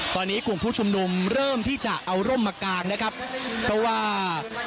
ตอนนี้กลุ่มผู้ชุมนุมเริ่มที่จะเอาร่มมากางนะครับเพราะว่า